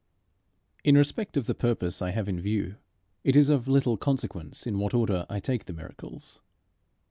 In respect of the purpose I have in view, it is of little consequence in what order I take the miracles.